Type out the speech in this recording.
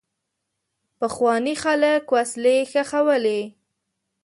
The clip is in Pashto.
پخواني خلک وسلې ښخولې.